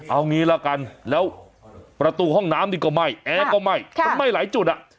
เอางี้ละกันแล้วประตูห้องน้ำนี่ก็ไหม้แอร์ก็ไหม้มันไหม้หลายจุดอ่ะ